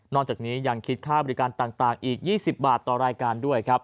นอนจากนี้ยังคิดค่าบริการต่างอีก๒๐บาทต่อรายการ